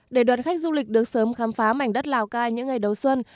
để đoàn khách du lịch được sớm khám phá mảnh đất lào cai những ngày đầu xuân